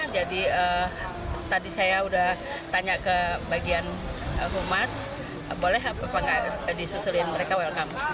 jadi tadi saya sudah tanya ke bagian humas boleh apa tidak disusulkan mereka welcome